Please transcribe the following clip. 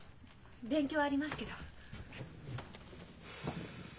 勉強はありますけど。